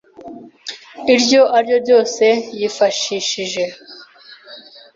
iryo ari ryo ryose yifashishije